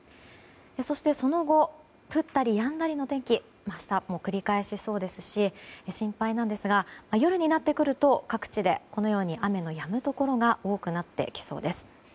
そして、その後降ったりやんだりの天気は明日も繰り返しそうですし心配なんですが夜になってくると各地で雨のやむところが多くなってきそうです。